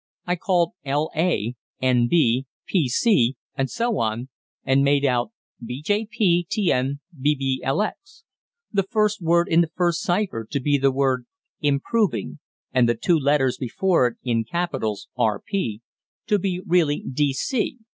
I called 'l' 'a'; 'n' 'b'; 'p' 'c'; and so on, and made out bjptnbblx, the first word in the first cypher, to be the word 'improving,' and the two letters before it in capitals 'R.P.' to be really 'D.C.'